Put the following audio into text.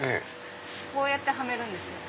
こうやってはめるんですよ。